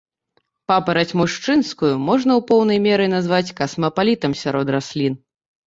Папараць мужчынскую можна ў поўнай меры назваць касмапалітам сярод раслін.